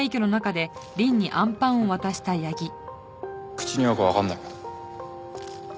口に合うかわかんないけど。